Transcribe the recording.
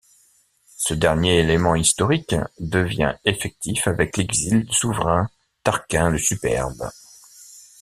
Ce dernier élément historique devient effectif avec l'exil du souverain Tarquin le Superbe.